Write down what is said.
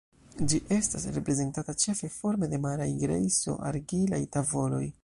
Ĝi estas reprezentata ĉefe forme de maraj grejso-argilaj tavoloj.